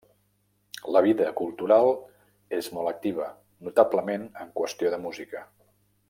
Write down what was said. La vida cultural és molt activa, notablement en qüestió de música.